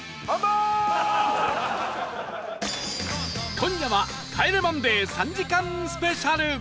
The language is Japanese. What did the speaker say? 今夜は『帰れマンデー』３時間スペシャル